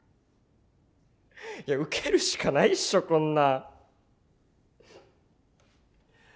いやウケるしかないっしょこんなん。